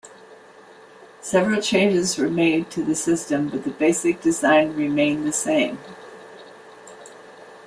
Several changes were made to the system, but the basic design remained the same.